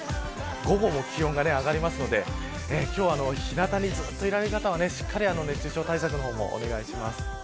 午後も気温が上がりますので今日、日なたにずっといられる方は、熱中症対策もお願いします。